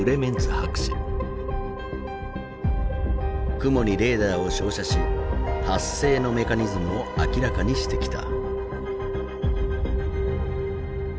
雲にレーダーを照射し発生のメカニズムを明らかにしてきた。